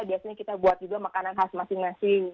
biasanya kita buat juga makanan khas masing masing